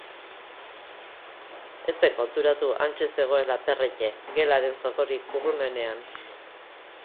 Ez zen konturatu hantxe zegoela Perrette, gelaren zokorik urrunenean.